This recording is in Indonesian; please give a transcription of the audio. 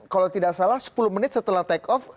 kalau tidak salah sepuluh menit setelah take off